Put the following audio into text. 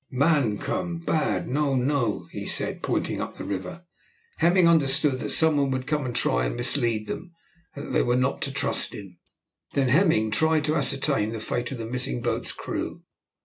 "Man come bad, no, no," he said, pointing up the river. Hemming understood that some one would come and try and mislead them, and that they were not to trust to him. Then Hemming tried to ascertain the fate of the missing boat's crew.